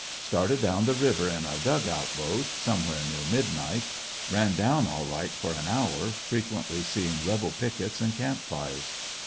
Started down the river in our dug out boat somewhere near midnight. Kan down all right for an hour, frequently seeing rebel pickets and camp fires.